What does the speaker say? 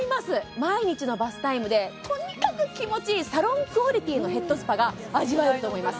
毎日のバスタイムでとにかく気持ちいいサロンクオリティーのヘッドスパが味わえると思います